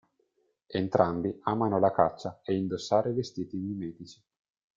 Entrambi amano la caccia e indossare vestiti mimetici.